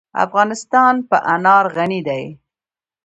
افغانستان په انار غني دی.